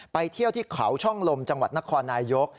ไปเที่ยวที่เขาช่องลมจังหวัดนครนายก